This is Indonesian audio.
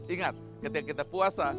ingat ketika kita puasa